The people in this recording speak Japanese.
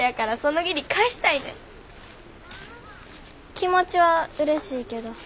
気持ちはうれしいけど。